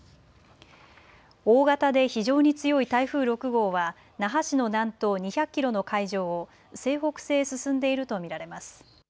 大型で非常に強い台風６号は那覇市の南東２００キロの海上を西北西へ進んでいると見られます。